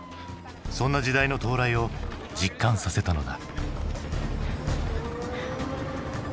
そんな時代の到来を実感させたのだ。